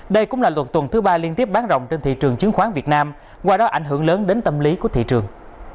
đây cũng là luật tuần thứ ba liên tiếp bán rộng trên thị trường chứng khoán việt nam qua đó ảnh hưởng lớn đến tâm lý của thị trường